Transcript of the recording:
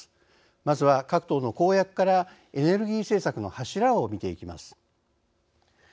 まずは、各党の公約からエネルギー政策の柱を見ていきます。